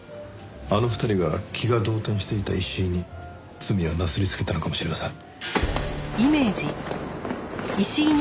あの２人が気が動転していた石井に罪をなすりつけたのかもしれません。